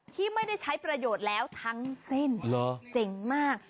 ที่ไม่ได้ใช้ประโยชน์แล้วทั้งเส้นเจ๋งมาก